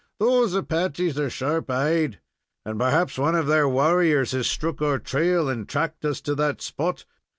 "Those Apaches are sharp eyed, and perhaps one of their warriors has struck our trail, and tracked us to that spot.